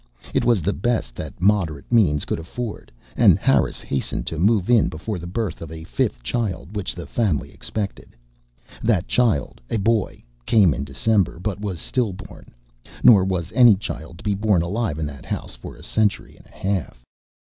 It was the best that moderate means could afford, and Harris hastened to move in before the birth of a fifth child which the family expected. That child, a boy, came in December; but was still born. Nor was any child to be born alive in that house for a century and a half.